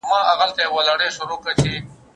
هغه ټولنه چې قانون ومني، ګډوډي نه زیاتېږي.